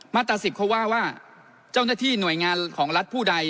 ตรา๑๐เขาว่าว่าเจ้าหน้าที่หน่วยงานของรัฐผู้ใด